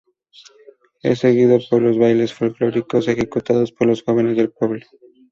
Es seguido por bailes folklóricos ejecutados por los jóvenes del pueblo.